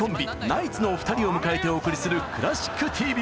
ナイツのお二人を迎えてお送りする「クラシックＴＶ」！